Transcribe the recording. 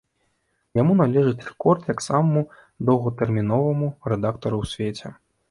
Яму належыць рэкорд як самаму доўгатэрміноваму рэдактару ў свеце.